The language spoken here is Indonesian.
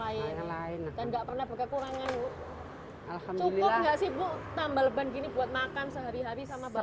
cukup nggak sih bu tambal ban gini buat makan sehari hari sama bapak